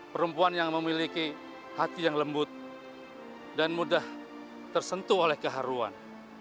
perempuan yang memiliki hati yang lembut dan mudah tersentuh oleh keharuan